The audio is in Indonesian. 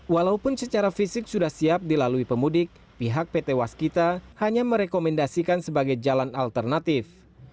walaupun secara fisik sudah siap dilalui pemudik pihak pt waskita hanya merekomendasikan sebagai jalan alternatif